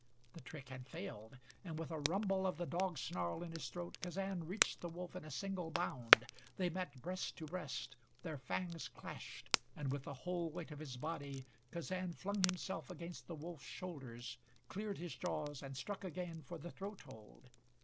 The trick had failed, and with a rumble of the dog snarl in his throat, Kazan reached the wolf in a single bound. They met breast to breast. Their fangs clashed and with the whole weight of his body, Kazan flung himself against the wolf's shoulders, cleared his jaws, and struck again for the throat hold.